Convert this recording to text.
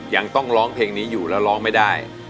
ยังต้องร้องเพลงนี้อยู่แล้วร้องไม่ได้